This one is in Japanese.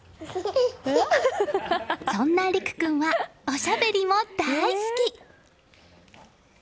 そんな凌空君はおしゃべりも大好き！